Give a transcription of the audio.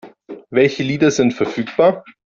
Welche Lieder sind verfügbar?